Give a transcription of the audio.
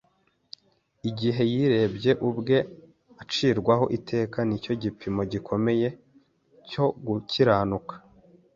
igihe yirebye ubwe acirwaho iteka n’icyo gipimo gikomeye cyo gukiranuka,